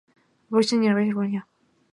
坐飞机遇到乱流是常有的事